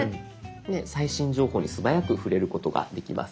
最新情報に素早く触れることができます。